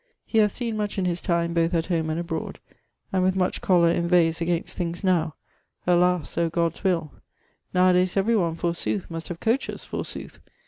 He hath seen much in his time both at home and abroade; and with much choler inveighes against things now: 'Alas! O' God's will! Now a dayes every one, forsooth! must have coaches, forsooth!